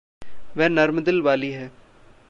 वह नर्म दिल वाली है।